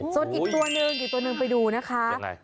ส่วนอีกตัวนึงไปดูนะคะ